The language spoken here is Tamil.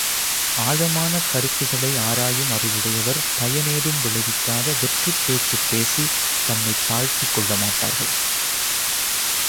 ஆழமான கருத்துகளை ஆராயும் அறிவு உடையவர் பயன் ஏதும் விளைவிக்காத வெற்றுப் பேச்சுப் பேசித் தம்மைத் தாழ்த்திக்கொள்ள மாட்டார்கள்.